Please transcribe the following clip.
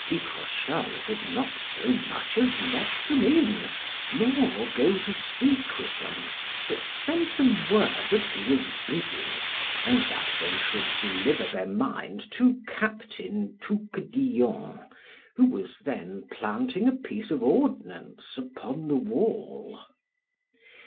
Picrochole would not so much as let them in, nor go to speak with them, but sent them word that he was busy, and that they should deliver their mind to Captain Touquedillon, who was then planting a piece of ordnance upon the wall.